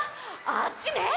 あっちね！